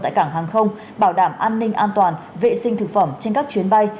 tại cảng hàng không bảo đảm an ninh an toàn vệ sinh thực phẩm trên các chuyến bay